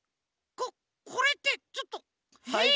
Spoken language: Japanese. ここれってちょっとえっ？